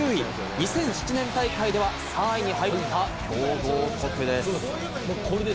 ２００７年大会では３位に入った強豪国です。